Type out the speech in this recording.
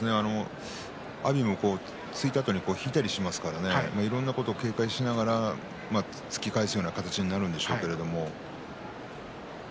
阿炎も突いたあとに引いたりもしますからいろいろなことを警戒しながら突き返すような形になるんでしょうけれども。